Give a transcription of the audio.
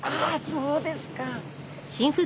そうですか。